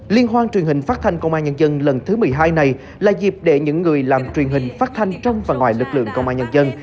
liên hoan truyền hình phát thanh công an nhân dân lần thứ một mươi hai này là dịp để những người làm truyền hình phát thanh trong và ngoài lực lượng công an nhân dân